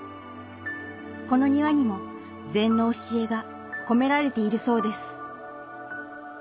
この庭にも禅の教えが込められているそうです